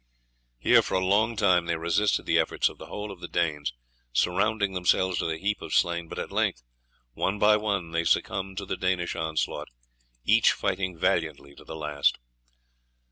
Here for a long time they resisted the efforts of the whole of the Danes, surrounding themselves with a heap of slain; but at length one by one they succumbed to the Danish onslaught, each fighting valiantly to the last.